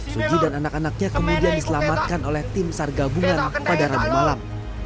suji dan anak anaknya kemudian diselamatkan oleh tim sargabungan pada rabu malam